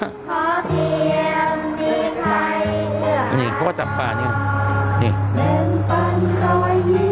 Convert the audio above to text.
ขอเตรียมมีใครเผื่อน้ำท่วมเป็นคนร้อยมิ้ว